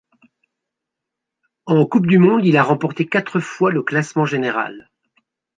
En coupe du monde, il a remporté quatre fois le classement général.